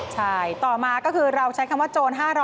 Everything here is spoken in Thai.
ใช่ต่อมาก็คือเราใช้คำว่าโจร๕๐๐